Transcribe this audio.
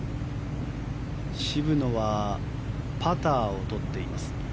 渋野はパターを取っています。